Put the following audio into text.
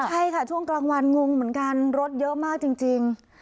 ใช่ค่ะช่วงกลางวันงงเหมือนกันรถเยอะมากจริง